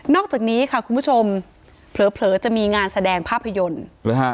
อกจากนี้ค่ะคุณผู้ชมเผลอจะมีงานแสดงภาพยนตร์หรือฮะ